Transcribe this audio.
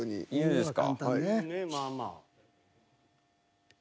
まあまあ。